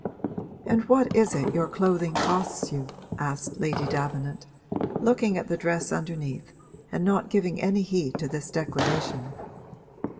'And what is it your clothing costs you?' asked Lady Davenant, looking at the dress underneath and not giving any heed to this declaration.